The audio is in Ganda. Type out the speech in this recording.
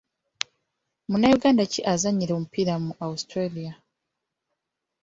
Munnayuganda ki azannyira omupiira mu Austria?